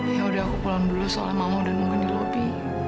ya udah aku pulang dulu soalnya mama dan mungkin di lobi